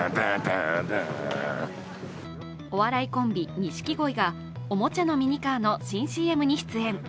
お笑いコンビ・錦鯉がおもちゃのミニカー新ＣＭに出演。